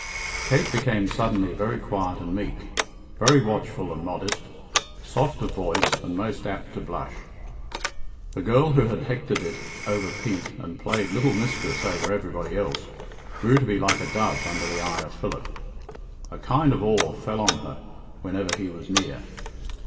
Kate became suddenly very quiet and meek, very watchful and modest, soft of voice and most apt to blush. The girl who had hectored it over Pete and played little mistress over everybody else, grew to be like a dove under the eye of Philip. A kind of awe fell on her whenever he was near.